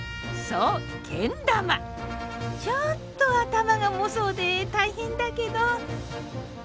ちょっと頭が重そうで大変だけど。